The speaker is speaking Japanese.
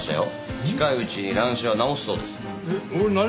近いうちに乱視は治すそうです。